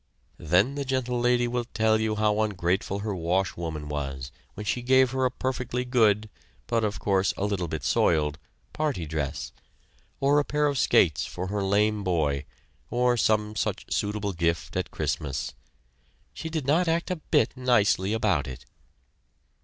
Then the Gentle Lady will tell you how ungrateful her washwoman was when she gave her a perfectly good, but, of course, a little bit soiled party dress, or a pair of skates for her lame boy, or some such suitable gift at Christmas. She did not act a bit nicely about it!